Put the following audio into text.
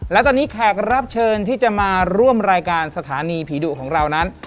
และตอนนี้แขกรับเชิญที่จะมาร่วมรายการสถานีผีดุของเรานั้น